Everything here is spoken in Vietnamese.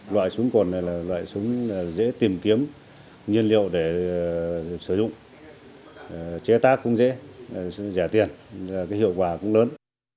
loại súng cồn này là loại súng dễ tìm kiếm nhân liệu để sử dụng chế tác cũng dễ rẻ tiền hiệu quả cũng lớn